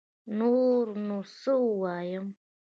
نور نو سه ووايم